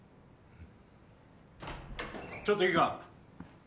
ちょっといいか？